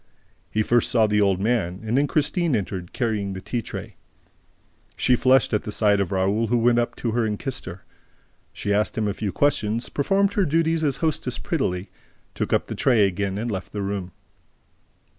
He first saw the old man; and then Christine entered, carrying the tea tray. She flushed at the sight of Raoul, who went up to her and kissed her. She asked him a few questions, performed her duties as hostess prettily, took up the tray again and left the room.